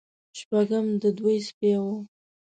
شپږم د دوی سپی و.